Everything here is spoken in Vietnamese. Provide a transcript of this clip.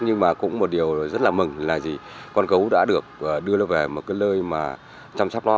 nhưng mà cũng một điều rất là mừng là gì con gấu đã được đưa nó về một cái lơi mà chăm sóc nó